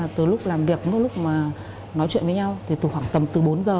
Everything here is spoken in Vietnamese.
từ lúc làm việc mất lúc nói chuyện với nhau thì tầm từ bốn giờ